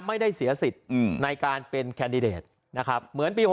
ไม่ได้เสียสิทธิ์ในการเป็นแคนดิเดตนะครับเหมือนปี๖๐